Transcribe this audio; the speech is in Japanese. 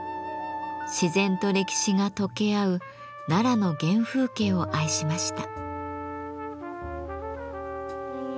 自然と歴史が溶け合う奈良の原風景を愛しました。